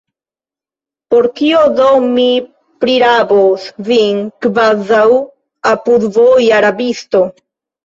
Por kio do mi prirabos vin, kvazaŭ apudvoja rabisto?